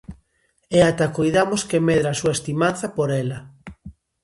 E ata coidamos que medra a súa estimanza por ela.